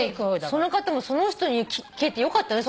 その方もその人に聞けてよかったね。